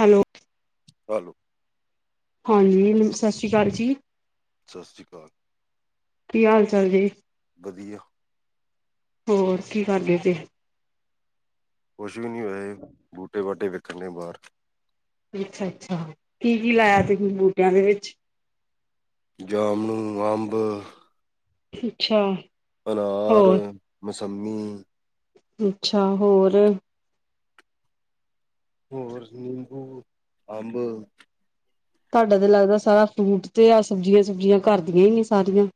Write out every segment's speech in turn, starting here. Hello. Hello, ਹਾਂਜੀ ਸਤਿ ਸ਼੍ਰੀ ਅਕਾਲ ਜੀ। ਸਤਿ ਸ਼੍ਰੀ ਅਕਾਲ, ਕੀ ਹਾਲ ਚਾਲ ਜੀ? ਵਧੀਆ ਹੋਰ ਕੀ ਕਰਦੇ ਤੇ। ਕੁਛ ਵੀ ਨਹੀਂ ਹੋਏ, ਬੂਟੇ ਬਾਟੇ ਵੇਖਣ ਨੇ ਬਾਹਰ। ਅੱਛਾ ਅੱਛਾ, ਕੀ -ਕੀ ਲਾਇਆ ਤੁਸੀਂ ਬੂਟਿਆਂ ਦੇ ਵਿੱਚ ਜਾਮੁਣ, ਅੰਬ ਅੱਛਾ, ਅਨਾਰ, ਹੋਰ ਮੌਸੰਮੀ। ਅੱਛਾ ਹੋਰ ਹੋਰ ਨਿੰਬੂ, ਅੰਬ ਤੁਆਡਾ ਤੇ ਲੱਗਦਾ ਸਾਰਾ ਫਰੂਟ ਤੇ ਆ ਸਬਜ਼ੀਆਂ ਸੁਬਜ਼ੀਆਂ ਘਰਦੀਆਂ ਈ ਏ ਸਾਰੀਆਂ।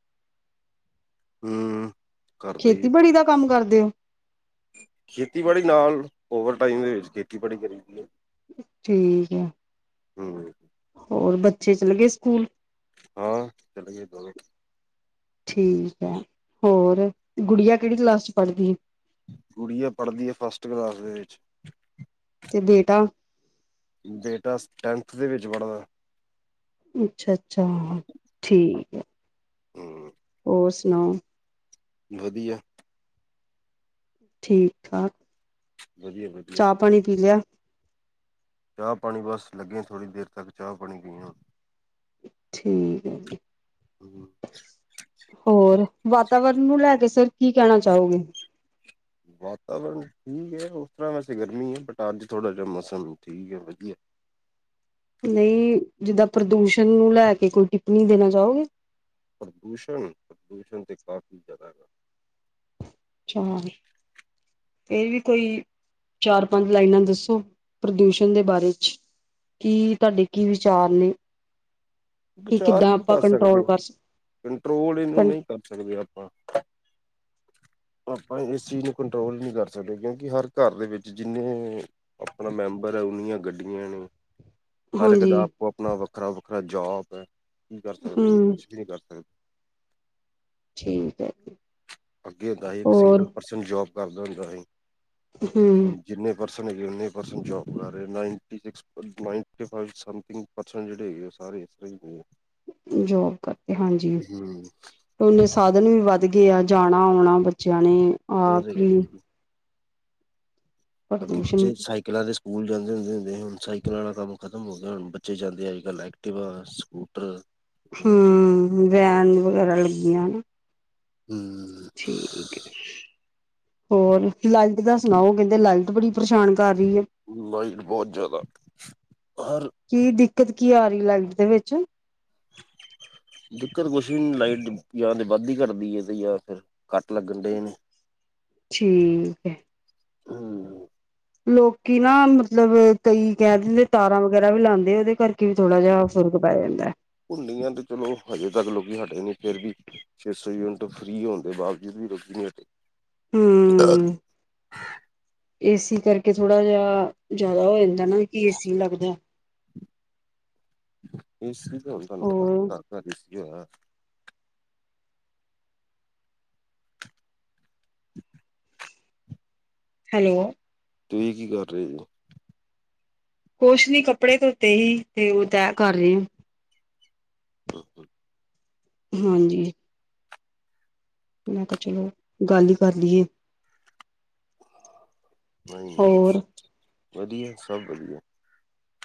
ਹਮ ਕਰਦਾ ਹੀ ਹੈ ਖੇਤੀਬਾੜੀ ਦਾ ਕੰਮ ਕਰਦੇ ਓ। ਖੇਤੀਬਾੜੀ ਨਾਲ ਓਵਰਟਾਈਮ ਦੇ ਵਿੱਚ ਖੇਤੀਬਾੜੀ ਕਰੀਦੀ ਏ। ਠੀਕ ਐ। ਹੂੰ। ਹੋਰ ਬੱਚੇ ਚਲੇ ਗਏ ਸਕੂਲ। ਹਾਂ, ਚਲੇਗੇ ਦੋਵੇਂ। ਠੀਕ ਐ, ਹੋਰ ਗੁੜੀਆ ਕੇੜੀ ਕਲਾਸ ਚ ਪੜਦੀ ਏ। ਕੁੜੀਆ ਪੜਦੀ ਐ ਫਸਟ ਕਲਾਸ ਦੇ ਵਿੱਚ ਤੇ ਬੇਟਾ ਬੇਟਾ ਟੈੈਂਨਥ ਦੇ ਵਿੱਚ ਪੜਦਾ। ਅੱਛਾ-ਅੱਛਾ, ਹਾਂ ਠੀਕ ਐ, ਹਮ ਹੋਰ ਸੁਣਾਓ? ਵਦੀਆ ਠੀਕ ਠਾਕ ਵਦੀਆ-ਵਦੀਆ। ਚਾਹ ਪਾਣੀ ਪੀ ਲਿਆ। ਚਾਹ ਪਾਣੀ ਬਸ ਲੱਗੇ ਥੋੜੀ ਦੇਰ ਤੱਕ ਚਾਹ ਪਾਣੀ ਪੀਣ। ਠੀਕ ਐ ਜੀ। ਹੋਰ, ਵਾਤਾਵਰਨ ਨੂੰ ਲੈ ਕੇ ਸਰ ਕੀ ਕੈਣਾ ਚਾਓਗੇ। ਵਾਤਾਵਰਨ ਠੀਕ ਏ, ਓਸ ਤਰਾ ਵੈਸੇ ਗਰਮੀ ਏ ਬਟ ਅੱਜ ਥੋੜਾ ਜਿਆ ਮੌਸਮ ਠੀਕ ਐ ਵਦੀਆ। ਨਈ ਜਿੱਦਾਂ ਪ੍ਰਦੂਸ਼ਣ ਨੂੰ ਲੈ ਕੇ ਕੋਈ ਟਿੱਪਣੀ ਦੇਣਾ ਚਾਓਗੇ। ਪ੍ਰਦੂਸ਼ਣ, ਪ੍ਰਦੂਸ਼ਣ ਤੇ ਕਾਫੀ ਜੈਦਾ ਹੈਗਾ। [unintelligible] ਏ ਵੀ ਕੋਈ ਚਾਰ, ਪੰਜ ਲਾਈਨਾਂ ਦੱਸੋ ਪ੍ਰਦੂਸ਼ਣ ਦੇ ਬਾਰੇ ਚ। ਕੀ ਤੁਆਡੇ ਕੀ ਵਿਚਾਰ ਨੇ ਕਿ ਵਿਚਾਰ ਕਿੱਦਾਂ ਕੀ ਆਪਾਂ ਕਰ ਸਕਦੇ ਕੰਟਰੋਲ ਓ, ਕਰ ਸਕ ਕੰਟਰੋਲ ਇਨੂੰ ਨਈ ਕਰ ਸਕਦੇ ਅਪਾਂ ਆਪਾਂ ਇਸ ਚੀਜ਼ ਨੂੰ ਕੰਟਰੋਲ ਨੀ ਕਰ ਸਕਦੇ ਕਿਉਂਕਿ ਹਰ ਘਰ ਦੇ ਵਿੱਚ ਜਿੰਨੇ ਅਪਣਾ ਮੈਂਬਰ ਐ ਓਨੀਆਂ ਗੱਡੀਆਂ ਨੇ। ਹਰ ਇੱਕ ਹਾਂਜੀ ਦਾ ਆਪੋ-ਆਪਣਾ ਵੱਖਰਾ-ਵੱਖਰਾ ਜੋਬ ਐ। ਕੀ ਕਰ ਸਕਦੇ ਜੀ ਹੂੰ ਕੁਛ ਵੀ ਨਈ ਕਰ ਸਕਦੇ। ਠੀਕ ਐ। ਅੱਗੇ ਹੁੰਦਾ ਹੀ ਇੱਕ ਸਿੰਗਲ ਪਰਸਨ ਜੋਬ ਕਰਦਾ ਹੁੰਦਾ ਹੀ। ਹੂੰ। ਜਿੰਨੇ ਪਰਸਨ ਹੈਗੇ ਉਨੇ ਪਰਸਨ ਜੋਬ ਕਰ ਰੇ ਨਾਈਨਟੀ ਸਿ ਨਾਈਨਟੀ ਫਾਈਵ ਸਮਥਿਂਗ ਪਰਸਨ ਜੇੜੇ ਹੈਗੇ ਆ ਸਾਰੇ ਇਸ ਤਰਾ ਈ ਦੇ ਆ। ਜੋਬ ਕਰਦੇ ਹਾਂਜੀ। ਓਨੇ ਸਾਧਨ ਵੀ ਵੱਧ ਗਏ ਆ ਜਾਣਾ ਆਉਣਾ ਬੱਚਿਆਂ ਨੇ ਉਹ ਆਪ ਤੇ ਵੀ ਹੈਗੀ ਜੀ। ਅੱਗੇ ਪ੍ਰਦੂਸ਼ਣ ਪਿੱਛੇ ਸਾਈਕਲਾਂ ਦੇ ਸਕੂਲ ਜਾਂਦੇ ਹੁੰਦੇ ਹੁੰਦੇ ਹੁਣ ਸਾਈਕਲਾਂ ਦਾ ਕੰਮ ਖ ਤਮ ਹੁੰਦਾ ਹੁਣ ਬੱਚੇ ਜਾਂਦੇ ਅੱਜ-ਕੱਲ ਐਕਟਿਵਾ, ਸਕੂਟਰ ਹੂੰ, ਵੈਨ ਵਗੈਰਾ ਲੱਗੀਆਂ ਨੇ। ਹੂੰ। ਠੀਕ। ਹੈ ਹੋਰ ਲਾਈਟ ਦਾ ਸੁਣਾਓ, ਕੈਂਦੇ ਲਾਈਟ ਬੜੀ ਪਰੇਸ਼ਾਨ ਕਰ ਰਈ ਐ। ਲਾਈਟ ਬੌਤ ਜੈਦਾ ਹਰ ਕੀ ਦਿੱਕਤ ਕੀ ਆ ਰਈ ਲਾਈਟ ਦੇ ਵਿੱਚ [inaudible] ਦਿੱਕਤ ਕੁਛ ਨਈ ਲਾਈਟ ਯਾ ਤੇ ਵੱਧਦੀ ਘੱਟਦੀ ਏ ਤੇ ਯਾ ਫਿਰ ਕੱਟ ਲੱਗਣ ਡਏ ਨੇ। ਠੀਕ ਹੈ। ਹੂੰ, ਲੋਕੀ ਨਾ, ਮਤਲਬ ਕਈ ਕਹਿ ਦਿੰਦੇ ਤਾਰਾਂ। ਜ਼ਰਾ ਵੀ ਲਾਉਂਦੇ, ਉਹਦੇ ਕਰਕੇ ਵੀ ਥੋੜ੍ਹਾ ਜਿਹਾ ਫ਼ੁਰਕ ਪੈ ਜਾਂਦਾ ਹੈ। ਭੁੰਨੀਆਂ ਤੇ ਚਲੋ, ਹਜੇ ਤੱਕ ਲੋਕੀ ਹਟੇ ਨੀ, ਫੇਰ ਵੀ। ਛੇ ਸੌ ਯੂਨਿਟ ਫਰੀ ਹੋਣ ਦੇ ਬਾਵਜੂਦ ਵੀ ਰੁਕੀ ਨੇ ਤੇ ਹੂੰ, ਏਸੀ ਕਰਕੇ ਥੋੜਾ ਜਿਆ। ਜ਼ਿਆਦਾ ਹੋ ਜਾਂਦਾ ਨਾ, ਕਿ ਏ ਸੀ ਲੱਗਦਾ। ਏ ਸੀ ਤਾਂ ਹੁਣ ਤੁਹਾਨੂੰ ਪਤਾ, ਹੋਰ ਘਰ ਘਰ ਏ ਸੀ ਹੋਣਾ। ਹੈਲੋ, ਤੁਸੀਂ ਕੀ ਕਰ ਰਹੇ ਸੀ। ਕੁਛ ਨੀ, ਕੱਪੜੇ ਧੋਤੇ ਹੀ ਤੇ ਉਹ ਤੈਅ ਕਰ ਰਹੇ ਹੋ। ਹੂੰ ਹੂੰ, ਹਾਂਜੀ ਮੈਂ ਕੇਹਾ ਚਲੋ, ਗੱਲ ਹੀ ਕਰ ਲਈਏ। ਨਹੀਂ ਨਹੀ, ਹੋਰ ਵਧੀਆ ਸਭ ਵਧੀਆ।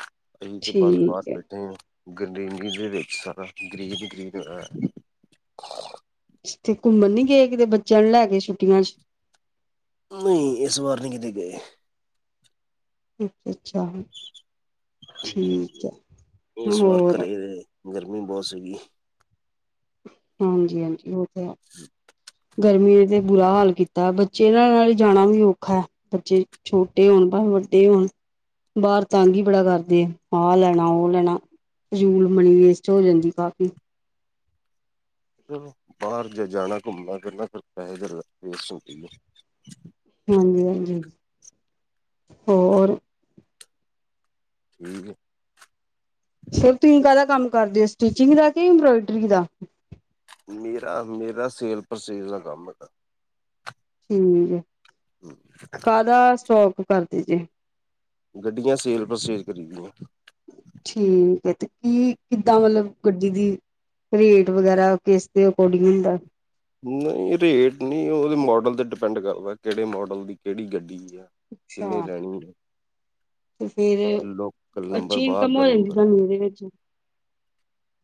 ਅਸੀਂ ਤੇ ਬਸ ਬਾਹਰ ਠੀਕ ਹੈ ਬੈਠੇ ਆਂ, ਗੱਡੀ ਇਨੀ ਦੇ ਵਿਚ, ਸਾਰਾ ਗ੍ਰੀਸ ਹੀ ਗ੍ਰੀਸ ਹੈਗਾ। ਤੇ ਘੁੰਮਣ ਨੀ ਗਏ, ਕਿਤੇ ਬੱਚਿਆਂ ਨੂੰ ਲੈ ਕੇ ਛੁੱਟੀਆਂ ਚ। ਨਹੀਂ, ਇਸ ਵਾਰ ਨਹੀਂ ਕਿਤੇ ਗਏ। ਅੱਛਾ ਅੱਛਾ। ਇਸ ਵਾਰ ਹੋਰ ਘਰੇ ਹੀ ਰਹੇ, ਗਰਮੀ ਬਹੁਤ ਸੀਗੀ। ਹਾਂਜੀ ਹਾਂਜੀ ਉਹ ਤੇ ਹੈ। ਗਰਮੀ ਤੇ ਬੁਰਾ ਹਾਲ ਕੀਤਾ ਹੈ, ਬੱਚੇ ਨਾਲ ਹੀ ਜਾਣਾ ਵੀ ਔਖਾ ਐ। ਬੱਚੇ ਛੋਟੇ ਹੋਣ, ਭਾਵੇਂ ਵੱਡੇ ਹੋਣ। ਬਾਹਰ ਤੰਗ ਹੀ ਬੜਾ ਕਰਦੇ ਐ, ਆਹ ਲੈਣਾ ਉਹ ਲੈਣਾ। ਫਜ਼ੂਲ ਮਨੀ ਵੇਸਟ ਹੋ ਜਾਂਦੀ ਕਾਫੀ। ਚਲੋ ਬਾਹਰ ਜੇ ਜਾਣਾ, ਘੁੰਮਣਾ ਫਿਰਨਾ, ਫਿਰ ਪੈਸੇ ਤੇ ਵੇਸਟ ਹੁਂਦੇ ਈ ਐ। ਹਾਂਜੀ ਹਾਂਜੀ ਹੋਰ ਠੀਕ ਹੈ। ਸਿਰਫ ਤੁਸੀਂ ਕਾਹਦਾ ਕੰਮ ਕਰਦੇ ਹੋ, ਸਟਿਚਿੰਗ ਦਾ ਕੇ, ਇੰਬਰਾਇਡਰੀ ਦਾ ਮੇਰਾ ਮੇਰਾ, ਸੇਲ ਪਰਚੇਜ਼ ਜ ਦਾ ਕੰਮ ਹੈਗਾ। ਠੀਕ ਐ ਹੂੰ, ਕਾਹਦਾ ਸਟੋਕ ਕਰਦੀ ਜੇ। ਗੱਡੀਆਂ ਸੇਜ ਪਰਚੇਜ਼ ਕਰੀ ਦੀਆਂ। ਠੀਕ ਹੈ, ਤੇ ਕੀ ਕਿੱਦਾਂ ਮਤਲਬ ਗੱਡੀ ਦੀ ਰੇਟ ਵਗੈਰਾ ਕਿਸ ਦੇ ਅਕੋਰਡਿੰਗ ਹੁੰਦਾ। ਨਹੀਂ ਰੇਟ ਨਹੀਂ, ਉਹਦੇ ਮਾਡਲ ਤੇ ਡਿਪੈਂਡ ਕਰਦਾ, ਕਿਹੜੇ ਮਾਡਲ ਦੀ ਕਿਹੜੀ ਗੱਡੀ ਆ ਕਿੰਨੇ ਅੱਛਾ ਲੈਣੀ ਹੈ। ਤੇ ਫੇਰ ਲੋਕਲ ਨੰਬਰ, ਅੱਛੀ ਬਾਹਰ ਇਨਕਮ ਦਾ ਹੋ ਜਾਂਦੀ ਨੰਬਰ ਤੁਹਾਨੂੰ ਇਹਦੇ ਵਿੱਚ ਹੂੰ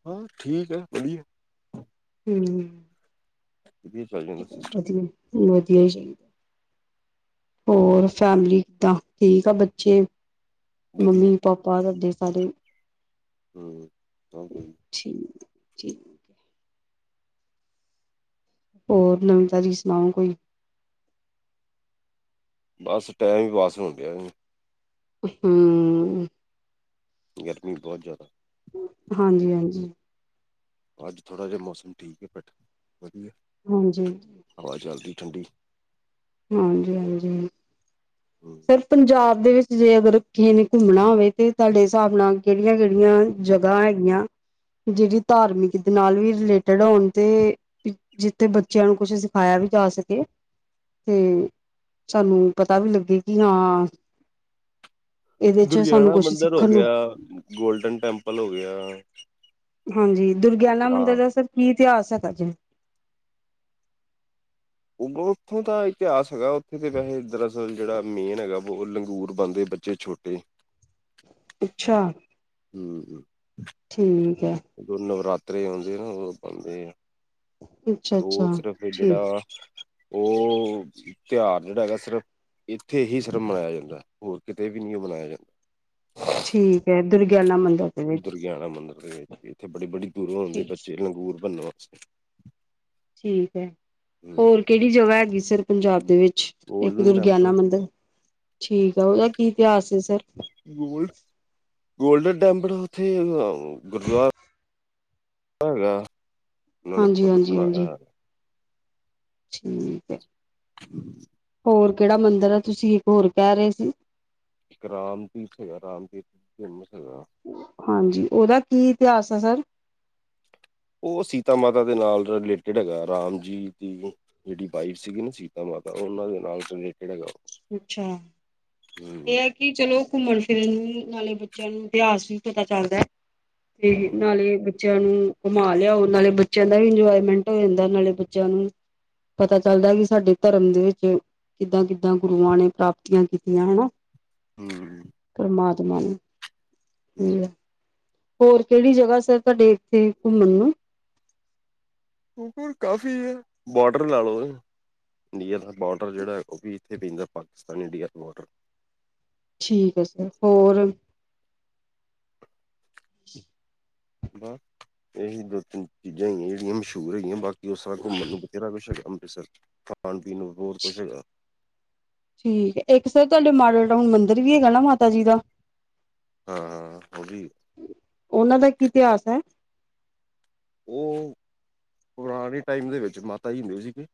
ਹਾਂ ਠੀਕ ਆ ਵਧੀਆ ਹੂ ਇਹ ਸ [unintelligible] ਵਧੀਆ ਵਧੀਆ ਜੀ ਹੋਰ ਫੈਮਲੀ ਕਿਦਾਂ, ਠੀਕ ਆ ਬੱਚੇ, ਵਧੀਆ ਮੰਮੀ ਪਾਪਾ ਤੁਹਾਡੇ ਸਾਰੇ। ਹੂ ਸਬ ਠੀਕ ਠੀਕ ਠੀਕ ਹੋਰ ਨਵੀਂ ਤਾਜੀ ਸੁਣਾਓ ਕੋਈ ਬੱਸ ਟਾਈਮ ਪਾਸ ਹੋ ਗਿਆ ਹੂ ਹੂ ਗਰਮੀਂ ਬਹੁੱਤ ਜ਼ਿਆਦਾ ਹਾਂਜੀ ਹਾਂਜੀ ਅੱਜ ਥੋੜ੍ਹਾ ਜਿਹਾ ਮੌਸਂਮ ਠੀਕ ਹੈ ਬੈਠੇ ਵਧੀਆ। ਹਾਂਜੀ ਹਵਾ ਚੱਲਦੀ ਠੰਡੀ। ਹਾਂਜੀ, ਹਾਂਜੀ। ਹਮ ਸਰ ਪੰਜਾਬ ਦੇ ਵਿੱਚ ਜੇ ਅਗਰ ਕਿਸੇ ਨੇ ਘੁੰਮਣਾ ਹੋਵੇ ਤਾਂ ਤੁਹਾਡੇ ਹਿਸਾਬ ਨਾਲ ਕਿਹੜੀਆਂ ਕਿਹੜੀਆਂ। ਜਗ੍ਹਾ ਹੈਗੀਆਂ ਜਿਹੜੀ ਧਾਰਮਿਕ ਦੇ ਨਾਲ ਵੀ ਰਿਲੇਟਿਡ ਹੋਣ ਤੇ ਜਿੱਥੇ ਬੱਚਿਆਂ ਨੂੰ ਕੁੱਛ ਸਿਖਾਇਆ ਵੀ ਜਾ ਸਕੇ। ਤੇ ਸਾਨੂੰ ਪਤਾ ਵੀ ਲੱਗੇ ਕਿ ਹਾਂ। ਇਹਦੇ ਚ ਸਾਨੂੰ ਦੁਰਗਿਆਣਾ ਕੁਛ ਮੰਦਿਰ ਹੋ ਸਿੱਖਣ ਨੂੰ ਗਿਆ, ਗੋਲਡਨ ਟੈਂਪਲ ਹੋ ਗਿਆ। ਹਾਂਜੀ ਦੁਰਗਿਆਣਾ ਮੰਦਿਰ ਦਾ ਸਰ ਕੀ ਇਤਿਹਾਸ ਹੈਗਾ ਜੇ। ਉਥੋਂ ਦਾ ਇਤਿਹਾਸ ਹੈਗਾ ਉਥੇ ਤੇ ਵੈਸੇ ਦਰਅਸਲ ਜਿਹੜਾ ਮੇਨ ਹੈਗਾ ਵਾ ਲੰਗੂਰ ਬਣਦੇ ਬੱਚੇ ਛੋਟੇ। ਤੇ ਅੱਛਾ ਹਮ ਠੀਕ ਹੈ ਜਦੋ ਨਵਰਾਤਰੇ ਆਉਂਦੇ ਨਾ ਉਦੋਂ ਬਣਦੇ ਆ। ਤੇ ਅੱਛਾ ਅੱਛਾ ਉਹ ਸਿਰਫ ਠੀਕ ਜਿਹੜਾ ਉਹ ਤਿਉਹਾਰ ਜਿਹੜਾ ਹੈਗਾ ਸਿਰਫ। ਇੱਥੇ ਹੀ ਸਿਰਫ਼ ਮਨਾਇਆ ਜਾਂਦਾ ਹੋਰ ਕਿਤੇ ਵੀ ਨਹੀਂ ਉਹ ਮਨਾਇਆ ਜਾਂਦਾ। ਠੀਕ ਹੈ ਦੁਰਗਿਆਣਾ ਮੰਦਿਰ। ਦੇ ਵਿੱਚ ਦੁਰਗਿਆਣਾ ਮੰਦਿਰ ਦੇ ਵਿੱਚ ਇਥੇ ਬੜੀ ਬੜੀ ਦੂਰੋਂ ਆਂਦੇ ਠੀਕ ਬੱਚੇ ਲੰਗੂਰ ਬਣਨ ਵਾਸਤੇ। ਠੀਕ ਹੈ ਹੂੰ ਹੋਰ ਕਿਹੜੀ ਜਗ੍ਹਾ ਹੈਗੀ ਸਰ ਪੰਜਾਬ ਦੇ ਵਿੱਚ ਇੱਕ ਗੋਲਡਨ ਦੁਰਗਿਆਣਾ ਟੈਂਪਲ ਮੰਦਿਰ? ਠੀਕ ਆ, ਉਹਦਾ ਕੀ ਇਤਿਹਾਸ ਹੈ ਸਰ? ਗੋਲਡ ਗੋਲਡਨ ਟੈਂਪਲ ਉੱਥੇ ਗੁਰੂਦੁਆਰਾ। ਪਰ ਉਨ੍ਹਾਂ ਨੇ ਹਾਂਜੀ ਖ਼ੁਦ ਹਾਂਜੀ ਬਣਾਇਆ ਹਾਂਜੀ ਹੋਇਆ ਹੈ। ਠੀਕ ਏ। [unintelligible] ਹੋਰ ਕਿਹੜਾ ਮੰਦਿਰ ਆ, ਤੁਸੀਂ ਇੱਕ ਹੋਰ ਕਹਿ ਰਹੇ ਸੀ? ਇੱਕ ਰਾਮਦੀਪ ਹੈਗਾ ਰਾਮਦੀਪ ਜਨਮ ਹੈਗਾ। ਹਾਂਜੀ, ਉਹਦਾ ਕੀ ਇਤਿਹਾਸ ਹੈ ਸਰ? ਉਹ ਸੀਤਾ ਮਾਤਾ ਦੇ ਨਾਲ ਰਿਲੇਟਿਡ ਹੈਗਾ ਰਾਮ ਜੀ ਦੀ। ਜਿਹੜੀ ਵਾਈਫ ਸੀਗੀ ਨਾ ਸੀਤਾ ਮਾਤਾ ਉਹਨਾਂ ਦੇ ਨਾਲ ਰਲੇਟਿਡ ਹੈਗਾ। ਅੱਛਾ ਹਮ ਇਹ ਹੈ ਕਿ ਚਲੋ ਘੁੰਮਣ ਫਿਰਨ ਨਾਲੇ ਬੱਚਿਆਂ ਨੂੰ ਇਤਿਹਾਸ ਵੀ ਪਤਾ ਚੱਲਦਾ ਹੈ। ਤੇ ਹਮ ਨਾਲੇ। ਚਿਆਂ ਨੂੰ ਘੁੰਮਾ ਲਿਆਓ ਨਾਲੇ ਬੱਚਿਆਂ ਦਾ ਵੀ ਇੰਜੋਏਮੈਂਟ ਹੋ ਜਾਂਦਾ ਨਾਲੇ ਬੱਚਿਆਂ ਨੂੰ ਪਤਾ ਚੱਲਦਾ ਕਿ ਸਾਡੇ ਧਰਮ ਦੇ ਵਿੱਚ ਕਿੱਦਾਂ- ਕਿੱਦਾਂ ਗੁਰੂਆਂ ਨੇ ਪ੍ਰਾਪਤੀਆਂ ਕੀਤੀਆਂ ਹਨਾ। ਹਮ [unintelligible] ਪਰਮਾਤਮਾ ਨੇ ਠੀਕ ਆ। ਹੋਰ ਕਿਹੜੀ ਜਗ੍ਹਾ ਸਰ ਤੁਹਾਡੇ ਇੱਥੇ ਘੁੰਮਣ ਨੂੰ? ਉਰ ਕਾਫ਼ੀ ਆ ਬੋਡਰ ਲਾ ਲਓ। ਇੰਡੀਆ ਦਾ ਬਾਰਡਰ ਜਿਹੜਾ ਉਹ ਵੀ ਇੱਥੇ ਪੈਂ ਜਾਂਦਾ ਪਾਕਿਸਤਾਨ ਇੰਡੀਆ ਦਾ ਬਾਰਡਰ। ਠੀਕ ਹੈ ਸਰ ਹੋਰ? [inaudible] ਬਸ ਇਹੀ ਦੋ ਤਿੰਨ ਚੀਜ਼ਾਂ ਹੈਗੀਆਂ ਜਿਹੜੀਆਂ ਮਸ਼ਹੂਰ ਹੈਗੀਆਂ। ਬਾਕੀ ਕਿ ਉਸ ਸਾਰਾ ਘੁੰਮਣ ਨੂੰ ਬਥੇਰਾ ਕੁਛ ਹੈਗਾ ਅੰਮ੍ਰਿਤਸਰ ਖਾਣ ਪੀਣ ਨੂੰ ਬਹੁਤ ਕੁਛ ਹੈਗਾ। ਠੀਕ ਹੈ ਇੱਕ ਸਰ ਤੁਹਾਡੇ ਮਾਡਲ ਟਾਊਨ ਮੰਦਿਰ ਵੀ ਹੈਗਾ ਨਾ ਮਾਤਾ ਜੀ ਦਾ। ਹਾਂ ਉਹ ਵੀ ਹੈ। ਉਹਨਾਂ ਦਾ ਕੀ ਇਤਿਹਾਸ ਹੈ। ਉਹ ਪੁਰਾਣੇ ਟਾਈਮ ਦੇ ਵਿੱਚ ਮਾਤਾ ਜੀ ਹੁੰਦੇ ਸੀਗੇ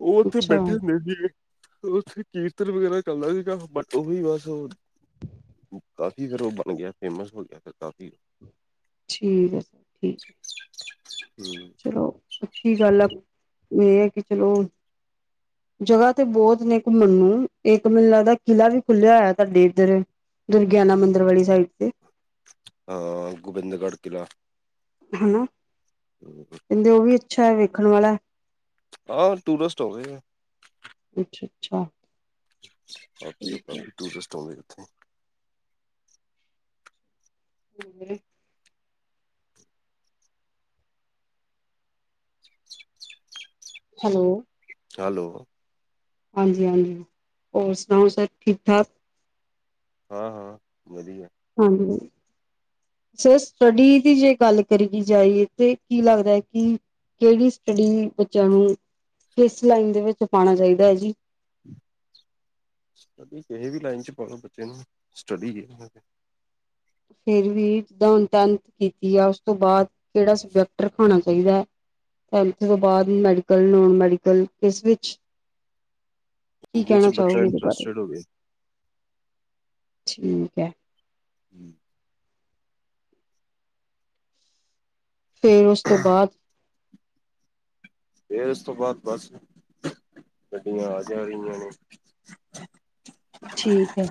ਉਹ ਉੱਥੇ ਅੱਛਾ ਬੈਠੇ ਹੁੰਦੇ ਸੀਗੇ ਉੱਥੇ ਕੀਰਤਨ ਵਗੈਰਾ ਚੱਲਦਾ ਸੀਗਾ ਬ ਉਹੀ ਬਸ ਕਾਫੀ ਫਿਰ ਉਹ ਬਣ ਗਿਆ ਫੇਮਸ ਹੋ ਗਿਆ। ਫਿਰ ਕਾਫੀ ਠੀਕ ਹੈ ਸਰ। ਠੀਕ ਹਮ ਚਲੋ ਅਛੀ ਗੱਲ ਆ ਇਹ ਹੈ ਕਿ ਚਲੋ ਜਗ੍ਹਾ ਤੇ ਬਹੁਤ ਨੇ ਇੱਕ ਮੰਨੂੰ ਇੱਕ ਮੈਨੂੰ ਲੱਗਦਾ ਕਿਲ੍ਹਾ ਵੀ ਖੁੱਲਿਆ ਹੋਇਆ ਤੁਹਾਡੇ ਇੱਧਰ ਦੁਰਗਿਆਨਾ ਮੰਦਿਰ ਵਾਲੀ ਸਾਈਡ ਤੇ। ਹਾਂ ਗੋਬਿੰਦਗੜ੍ਹ ਕਿਲਾ ਹਨਾ [unintelligible] ਹਮ ਕਹਿੰਦੇ ਉਹ ਵੀ ਅੱਛਾ ਹੈ ਵੇਖਣ ਵਾਲਾ ਆਹ ਟੂਰਿਸਟ ਹੋ ਗਏ ਆ। ਅੱਛਾ- ਅੱਛਾ। ਬਾਕੀ ਤਾਂ ਠੀਕ ਕਾਫੀ ਟੂਰਿਸਟ ਆਉਂਦੇ ਉੱਥੇ ਹਮ ਹੈਲੋ ਹੈਲੋ। ਹਾਂਜੀ- ਹਾਂਜੀ ਹੋਰ ਸੁਣਾਓ ਸਰ ਠੀਕ ਠਾਕ। ਹਾਂ ਹਾਂ ਵਧੀਆ। ਹਾਂਜੀ। ਸਰ ਸਟੱਡੀ ਦੀ ਜੇ ਗੱਲ ਕਰੀ ਜਾਈਏ ਤੇ ਕੀ ਲੱਗਦਾ ਕਿ ਕਿਹੜੀ ਸਟੱਡੀ ਬੱਚਿਆਂ ਨੂੰ ਕਿਸ ਲਾਈਨ ਦੇ ਵਿੱਚ ਪਾਉਣਾ ਚਾਹੀਦਾ ਹੈ ਜੀ। ਸ ਕਿਸੇ ਵੀ ਲਾਈਨ ਚ ਪਾਓ ਬੱਚੇ ਨੂੰ ਸਟੱਡੀ [unintelligible] ਚਾਹੀਦਾ ਇਸ ਤੋਂ ਬਾਅਦ ਮੈਡੀਕਲ, ਨੋਨ ਮੈਡੀਕਲ ਇਸ ਵਿੱਚ ਕੀ ਚ ਕਹਿਣਾ ਬੱਚਾ ਚਾਹੋਗੇ ਇਹਦੇ ਬਾਰੇ ਇੰਟਰਸਟਡ ਹੋਵੇ ਠੀਕ ਹੈ। ਹਮ ਫੇਰ ਉਸ ਤੋਂ ਬਾਅਦ ਫੇਿਰ ਉਸ ਤੋਂ ਬਾਅਦ ਬਸ ਗੱਡੀਆਂ ਆ ਜਾ ਰਹੀਆਂ ਨੇ ਠੀਕ ਹੈ।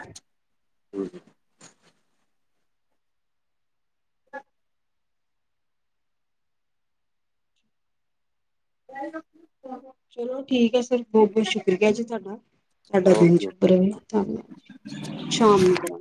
ਹ ਮ [unintelligible] ਚਲੋ ਠੀਕ ਹੈ ਸਰ ਬਹੁਤ- ਬਹੁਤ ਸ਼ੁਕਰੀਆ ਜੀ ਤੁਹਾਡਾ ਤੁਹਾਡਾ ਦਿਨ ਓਕੇ ਸ਼ੁਕਰਵੇ ਧੰਨਵਾਦ ਜੀ ਸ਼ਾਮ ਨੂੰ ਕਰਾਂ